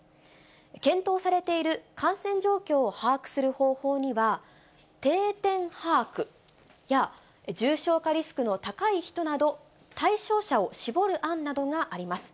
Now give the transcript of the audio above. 検討されている感染状況を把握する方法には、定点把握や、重症化リスクの高い人など、対象者を絞る案などがあります。